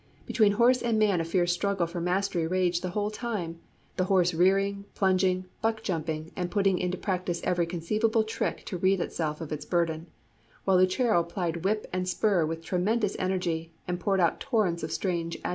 Between horse and man a fierce struggle for mastery raged the whole time, the horse rearing, plunging, buck jumping, and putting into practice every conceivable trick to rid itself of its burden; while Lucero plied whip and spur with tremendous energy and poured out torrents of strange adjectives.